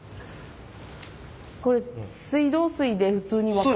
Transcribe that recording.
これ水道水で普通に沸かした。